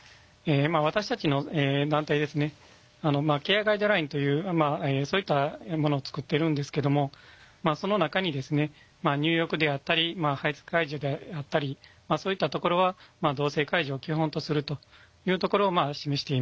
私たちの団体ですねケアガイドラインというそういったものを作ってるんですけどもその中に入浴であったり排せつ介助であったりまあそういったところは同性介助を基本とするというところを示しています。